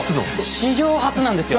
史上初なんですよ！